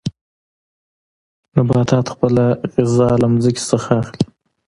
نباتات خپله غذا له ځمکې څخه اخلي.